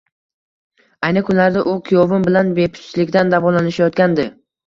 Ayni kunlarda u kuyovim bilan bepushtlikdan davolanishayotgandi